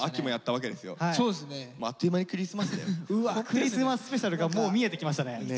「クリスマススペシャル」がもう見えてきましたね。